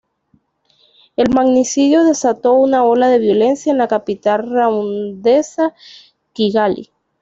El magnicidio desató una ola de violencia en la capital ruandesa, Kigali.